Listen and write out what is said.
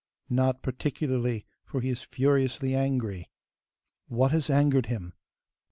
'Not particularly, for he is furiously angry.' 'What has angered him?